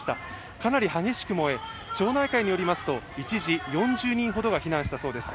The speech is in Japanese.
かなり激しく燃え、町内会によりますと一時、４０人ほどが避難したそうです。